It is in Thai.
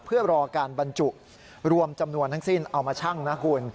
เพื่อรอการบรรจุรวมจำนวนทั้งสิ้นเอามาชั่งนะคุณ